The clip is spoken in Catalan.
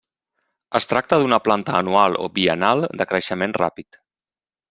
Es tracta d'una planta anual o biennal de creixement ràpid.